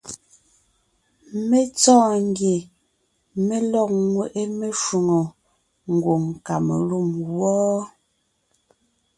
Mé tsɔ́ɔn ngie mé lɔg ńŋweʼe meshwóŋè ngwòŋ Kamalûm wɔ́.